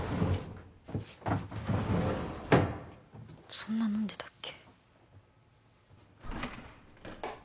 そんな飲んでたっけ？